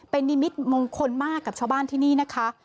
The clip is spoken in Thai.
เป็นนิมิตมงคลมากกับชาวบ้านที่นี่นะคะ